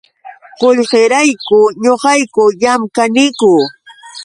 Qullqirayku ñuqayku llamkaniku.